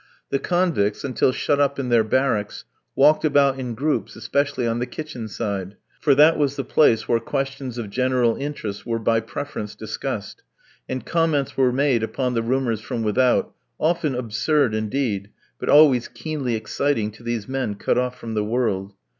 The convicts, until shut up in their barracks, walked about in groups, especially on the kitchen side; for that was the place where questions of general interest were by preference discussed, and comments were made upon the rumours from without, often absurd indeed, but always keenly exciting to these men cut off from the world.